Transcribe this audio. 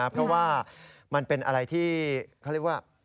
เพราะว่ามันเป็นอะไรที่เขาเรียกว่า